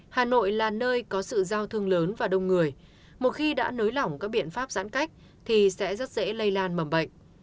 hà nội là nơi có sự giao thương lớn và đông người một khi đã nới lỏng các biện pháp giãn cách thì sẽ rất dễ lây lan mầm bệnh